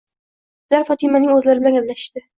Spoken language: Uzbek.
Ular Fotimaning o'zi bilan gaplashishdi.